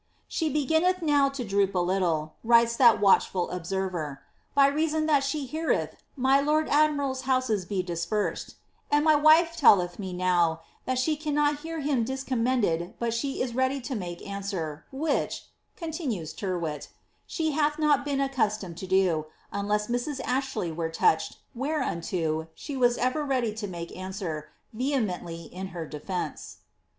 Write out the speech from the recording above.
"She beginneth now to droop a little," writes that watchful observer, " by reason that she hear eth my lord admiraPs houses be dispersed ;' and my wife telleth me, DOW, that she cannot hear him discommended but she is ready to make iDswer^ which," continues Tyrwhit, " she hath not been accustomed to do, unless Mrs. Ashley were touched, whereunto, she was ever ready to make answer, vehemently in her defence."